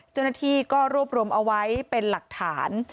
เจ้าหน้าที่ก็รวบรวมเอาไว้เป็นหลักฐาน